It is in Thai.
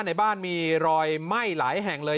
ในบ้านมีรอยไหม้หลายแห่งเลย